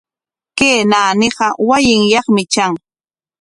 Kay naaniqa wasinyaqmi tran.